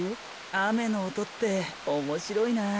あめのおとっておもしろいな。